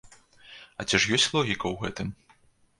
А ці ж ёсць логіка ў гэтым?